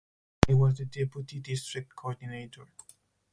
He was the Deputy District Coordinator.